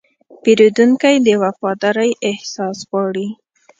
پیرودونکی د وفادارۍ احساس غواړي.